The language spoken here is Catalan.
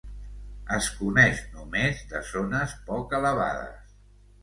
Es coneix només de zones poc elevades.